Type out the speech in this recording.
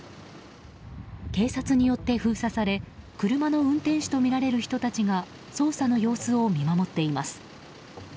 警察によって封鎖され車の運転手とみられる人たちが捜査の様子を見守っています。